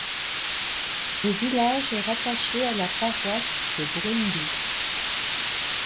Le village est rattaché à la paroisee de Brunnby.